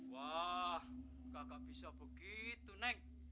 wah kakak bisa begitu nek